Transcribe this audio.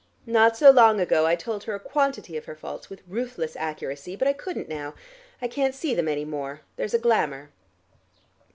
Not so long ago I told her a quantity of her faults with ruthless accuracy, but I couldn't now. I can't see them any more: there's a glamor."